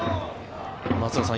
松坂さん